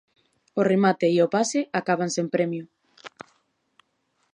O remate e o pase acaban sen premio.